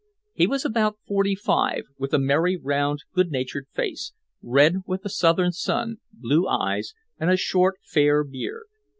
He was about forty five, with a merry round, good natured face, red with the southern sun, blue eyes, and a short fair beard.